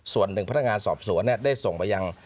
ส่วนหนึ่งพนักงานสอบสวนได้ส่งไปยัง